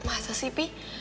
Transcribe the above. masa sih pi